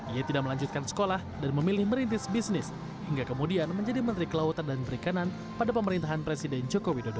ia tidak melanjutkan sekolah dan memilih merintis bisnis hingga kemudian menjadi menteri kelautan dan perikanan pada pemerintahan presiden joko widodo